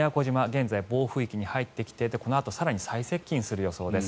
現在、暴風域に入ってきてこのあと更に最接近する予想です。